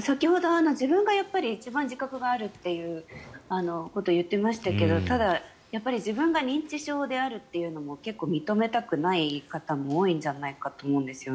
先ほど自分が一番自覚があるということを言ってましたがただ、自分が認知症であるというのも結構、認めたくない方も多いんじゃないかと思うんですよね。